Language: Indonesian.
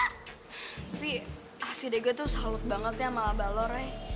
tapi ah si dego tuh salut banget ya sama abah lor ya